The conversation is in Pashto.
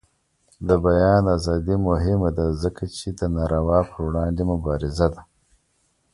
د بیان ازادي مهمه ده ځکه چې د ناروا پر وړاندې مبارزه ده.